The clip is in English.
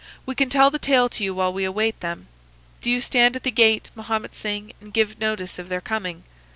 We can tell the tale to you while we await them. Do you stand at the gate, Mahomet Singh, and give notice of their coming.